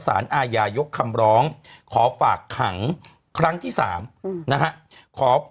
อาญายกคำร้องขอฝากขังครั้งที่๓นะฮะ